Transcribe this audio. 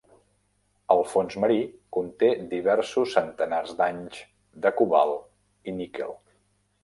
El fons marí conté "diversos centenars d'anys de cobalt i níquel".